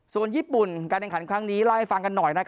ส่วนญี่ปุ่นการแข่งขันครั้งนี้เล่าให้ฟังกันหน่อย